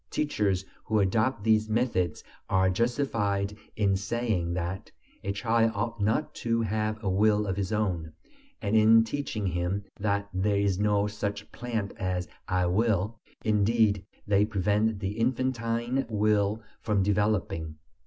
Teachers who adopt these methods are justified in saying that "a child ought not to have a will of his own," and in teaching him that "there is no such plant as 'I will.'" Indeed, they prevent the infantine will from developing.